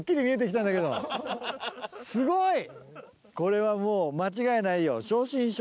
すごい！これはもう間違いないよ。